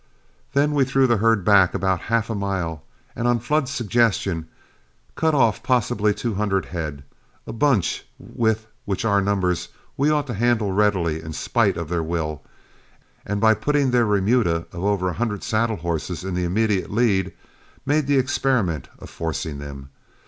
Then we threw the herd back about half a mile, and on Flood's suggestion cut off possibly two hundred head, a bunch which with our numbers we ought to handle readily in spite of their will, and by putting their remuda of over a hundred saddle horses in the immediate lead, made the experiment of forcing them.